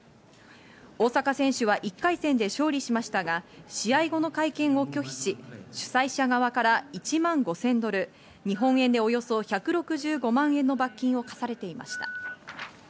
大坂選手は１回戦で勝利しましたが、試合後の会見を拒否し主催者側から１万５０００ドル、日本円でおよそ１６５万円の罰金を科されていました。